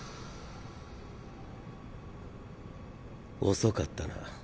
遅かったな。